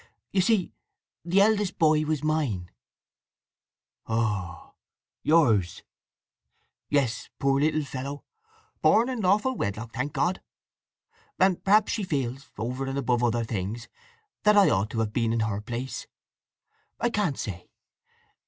"You see, the eldest boy was mine—" "Oh—yours!" "Yes, poor little fellow—born in lawful wedlock, thank God. And perhaps she feels, over and above other things, that I ought to have been in her place. I can't say.